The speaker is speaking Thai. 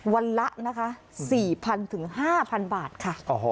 วันละนะคะ๔๐๐๐ถึง๕๐๐บาทค่ะ